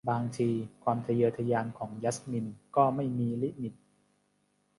บางทีความทะเยอทะยานของยัสมินก็ไม่มีลิมิต